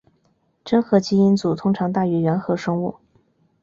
真核基因组通常大于原核生物。